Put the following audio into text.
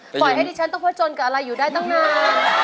ปล่อยให้ดิฉันต้องผจญกับอะไรอยู่ได้ตั้งนาน